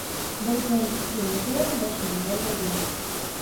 Birden tisgindi-de başyny galdyrdy.